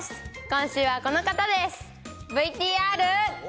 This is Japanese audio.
今週はこの方です。